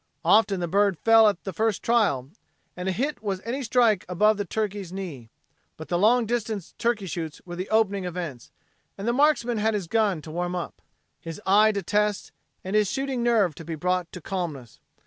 Often the bird fell at the first trial, and a hit was any strike above the turkey's knee. But the long distance turkey shoots were the opening events, and the marksman had his gun to warm up, his eye to test and his shooting nerve to be brought to calmness.